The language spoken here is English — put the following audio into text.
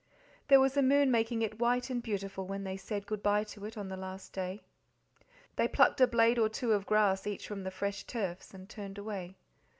There was a moon making it white and beautiful when they said good bye to it on the last day. They plucked a blade or two of grass each from the fresh turfs, and turned away.